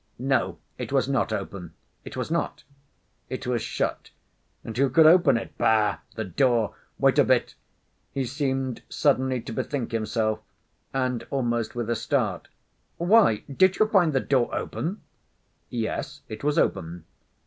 "No, it was not open." "It was not?" "It was shut. And who could open it? Bah! the door. Wait a bit!" he seemed suddenly to bethink himself, and almost with a start: "Why, did you find the door open?" "Yes, it was open."